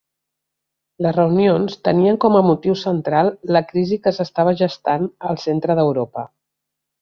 Les reunions tenien com a motiu central la crisi que s'estava gestant al centre d'Europa.